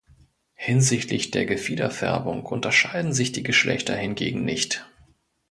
Hinsichtlich der Gefiederfärbung unterscheiden sich die Geschlechter hingegen nicht.